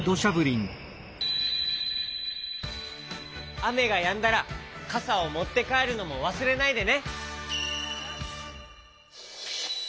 あめがやんだらかさをもってかえるのもわすれないでね。